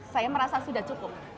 saya merasa sudah cukup